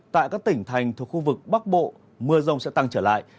tại các tỉnh thành thuộc khu vực bắc bộ mưa rông sẽ tăng trở lại